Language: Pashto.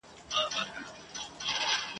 دله غل د کور مالت نه غلا کوي !.